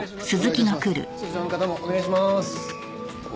そちらの方もお願いします。